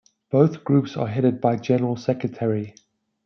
Both groups are headed by General Secretary.